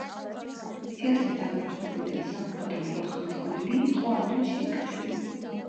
თეატრის დამაარსებელი და სამხატვრო ხელმძღვანელი იყო ამირან შალიკაშვილი.